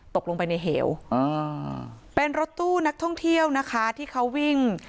ตกลงไปในเหวอ่าเป็นรถตู้นักท่องเที่ยวนะคะที่เขาวิ่ง